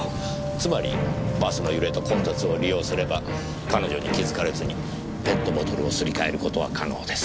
つまりバスの揺れと混雑を利用すれば彼女に気づかれずにペットボトルをすり替える事は可能です。